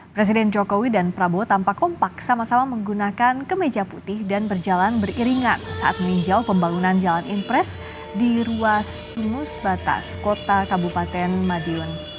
presiden jokowi dan prabowo tampak kompak sama sama menggunakan kemeja putih dan berjalan beriringan saat meninjau pembangunan jalan impres di ruas tulus batas kota kabupaten madiun